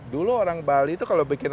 dulu orang bali itu kalau bikin